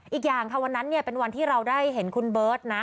อีกอย่างค่ะวันนั้นเนี่ยเป็นวันที่เราได้เห็นคุณเบิร์ตนะ